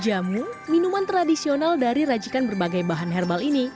jamu minuman tradisional dari rajikan berbagai bahan herbal ini